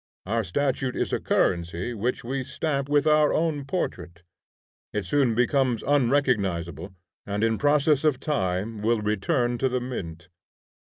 Our statute is a currency which we stamp with our own portrait: it soon becomes unrecognizable, and in process of time will return to the mint.